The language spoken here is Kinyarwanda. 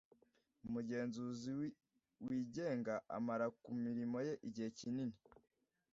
umugenzuzi wigenga amara ku mirimo ye igihe kinini.